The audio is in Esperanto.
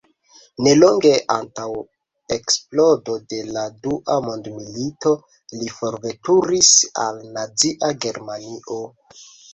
Nelonge antaŭ eksplodo de la Dua mondmilito li forveturis al Nazia Germanio.